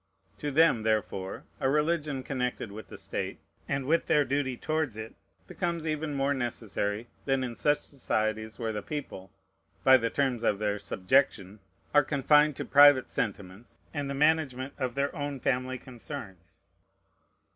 To them, therefore, a religion connected with the state, and with their duty towards it, becomes even more necessary than in such societies where the people, by the terms of their subjection, are confined to private sentiments, and the management of their own family concerns.